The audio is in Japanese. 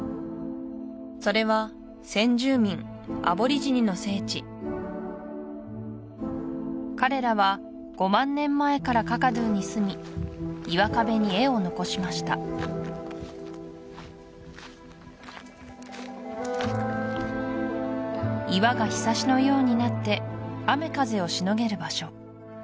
それは先住民アボリジニの聖地彼らは５万年前からカカドゥに住み岩壁に絵を残しました岩がひさしのようになって雨風をしのげる場所